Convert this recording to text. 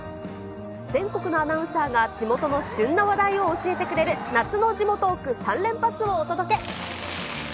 全国のアナウンサーが地元の旬な話題を教えてくれる、夏のジモトーク３連発をお届け。